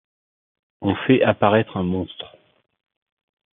On fait apparaitre un monstre.